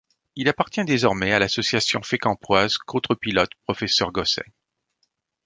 Il appartient désormais à l'association fécampoise Côtre-Pilote Professeur Gosset.